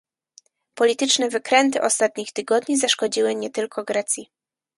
Polityczne wykręty ostatnich tygodni zaszkodziły nie tylko Grecji